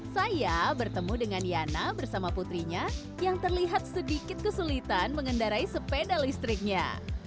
saya bertemu dengan yana bersama putrinya yang terlihat sedikit kesulitan mengendarai sepeda listriknya